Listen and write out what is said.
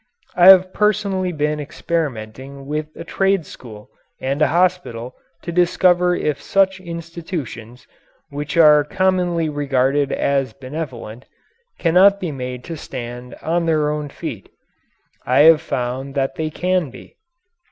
I have personally been experimenting with a trade school and a hospital to discover if such institutions, which are commonly regarded as benevolent, cannot be made to stand on their own feet. I have found that they can be.